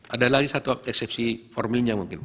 ada lagi satu eksepsi formilnya mungkin